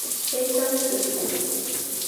悲傷止步